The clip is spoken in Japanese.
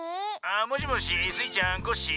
「もしもしスイちゃんコッシー。